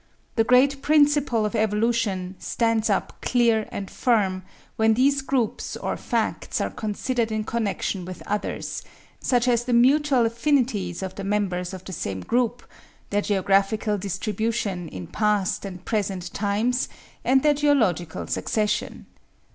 The great principle of evolution stands up clear and firm, when these groups or facts are considered in connection with others, such as the mutual affinities of the members of the same group, their geographical distribution in past and present times, and their geological succession.